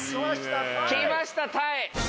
来ましたタイ！